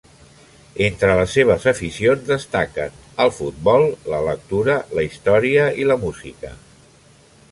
Entre les seves aficions destaquen: el futbol, la lectura, la història i la música.